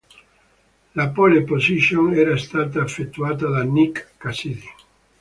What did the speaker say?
La Pole Position era stata effettuata da Nick Cassidy.